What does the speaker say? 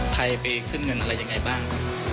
ไปขึ้นเงินอะไรยังไงบ้าง